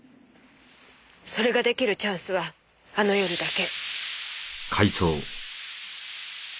それができるチャンスはあの夜だけ。